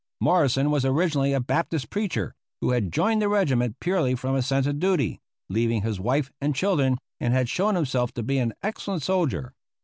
Morrison was originally a Baptist preacher who had joined the regiment purely from a sense of duty, leaving his wife and children, and had shown himself to be an excellent soldier.